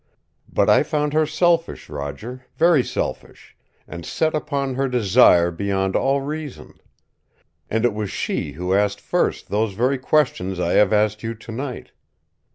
But I found her selfish, Roger, very selfish and set upon her desire beyond all reason. And it was she who asked first those very questions I have asked you tonight.